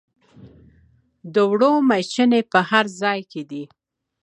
د اوړو میچنې په هر ځای کې دي.